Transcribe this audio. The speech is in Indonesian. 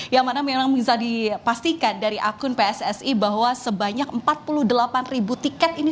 yang mana memang bisa dipastikan dari akun pssi bahwa sebanyak empat puluh delapan ribu tiket ini